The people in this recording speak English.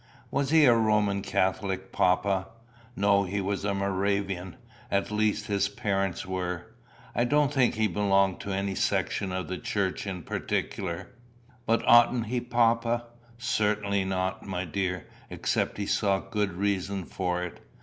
"Was he a Roman Catholic, papa?" "No, he was a Moravian. At least, his parents were. I don't think he belonged to any section of the church in particular." "But oughtn't he, papa?" "Certainly not, my dear, except he saw good reason for it.